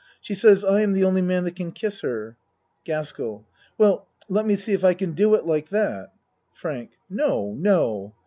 She says I am the only man that can kiss her. GASKELL Well, let me see if I can do it like that. FRANK No no